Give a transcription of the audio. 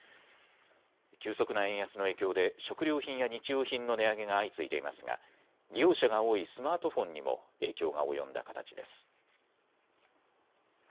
急速な円安の影響で食料品や日用品の値上げが相次いでいますが利用者が多いスマートフォンにも影響が及んだ形です。